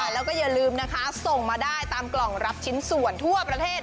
แล้วก็อย่าลืมนะคะส่งมาได้ตามกล่องรับชิ้นส่วนทั่วประเทศ